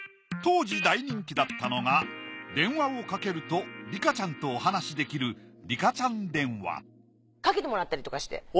当時大人気だったのが電話をかけるとリカちゃんとお話しできるリカちゃん電話かけてもらったりとかして。